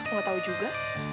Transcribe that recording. aku gak tau juga